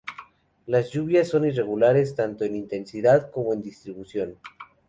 La lluvias son irregulares, tanto en intensidad como en distribución.